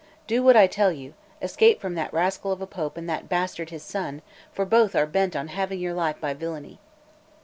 Do what I tell you; escape from that rascal of a Pope and that bastard his son, for both are bent on having your life by villainy."